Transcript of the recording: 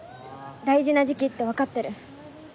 大事な時期って分かってる。